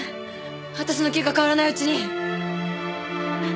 私の気が変わらないうちに。